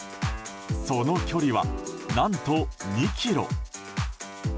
その距離は何と２ｋｍ。